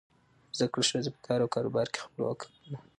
زده کړه ښځه په کار او کاروبار کې خپلواکه ده.